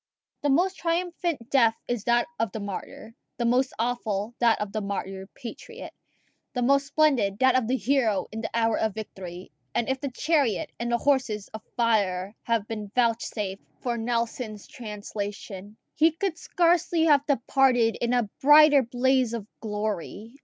The most triumphant death is that of the martyr; the most awful, that of the martyred patriot; the most splendid, that of the hero in the hour of victory; and if the chariot and the horses of fire had been vouchsafed for Nelson's translation, he could scarcely have departed in a brighter blaze of glory.